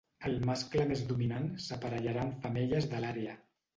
El mascle més dominant s'aparellarà amb femelles de l'àrea.